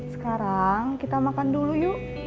sekarang kita makan dulu yuk